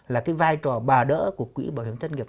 là cái vai trò bà đỡ của quỹ bảo hiểm thất nghiệp